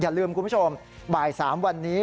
อย่าลืมคุณผู้ชมบ่าย๓วันนี้